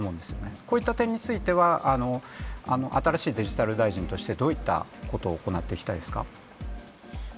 こういった点については、新しいデジタル大臣としてどういったことを行っていきたいですか？